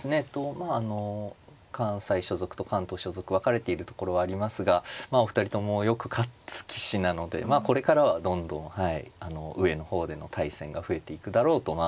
まああの関西所属と関東所属分かれているところはありますがお二人ともよく勝つ棋士なのでこれからはどんどんはい上の方での対戦が増えていくだろうとま